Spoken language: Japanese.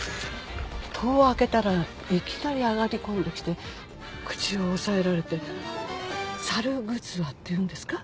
戸を開けたらいきなり上がり込んできて口を押さえられて猿ぐつわっていうんですか？